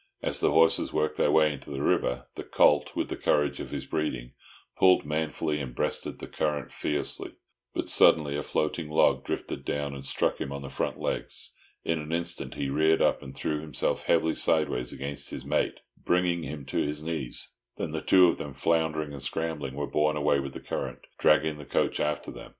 As the horses worked their way into the river, the colt, with the courage of his breeding, pulled manfully, and breasted the current fearlessly. But suddenly a floating log drifted down, and struck him on the front legs. In an instant he reared up, and threw himself heavily sideways against his mate, bringing him to his knees; then the two of them, floundering and scrambling, were borne away with the current, dragging the coach after them.